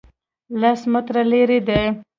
لس متره لرې دی